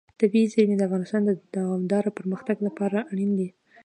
طبیعي زیرمې د افغانستان د دوامداره پرمختګ لپاره اړین دي.